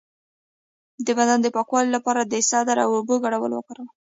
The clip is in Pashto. د بدن د پاکوالي لپاره د سدر او اوبو ګډول وکاروئ